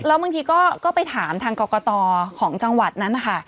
แล้วบางทีก็ไปถามทางกรกตของจังหวัดนั้นนะคะ